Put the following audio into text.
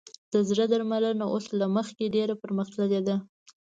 د زړه درملنه اوس له مخکې ډېره پرمختللې ده.